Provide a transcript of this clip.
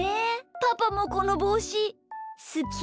パパもこのぼうしすき？